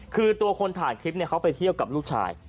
คือตัวคนถ่ายคลิปเขาไปเที่ยวกับลูกชาย